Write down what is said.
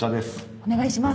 お願いします。